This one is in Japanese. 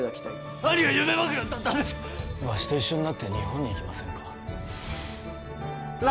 兄が夢枕に立ったんですわしと一緒になって日本に行きませんか？